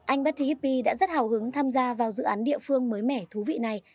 anh betty hippie đã rất hào hứng tham gia vào dự án địa phương mới mẻ thú vị này